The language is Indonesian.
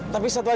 tapi satu lagi